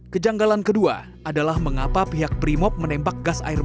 kejanggalan kedua adalah mengapa pihak primop menembak gas air mata ke arah tribun